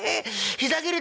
膝蹴り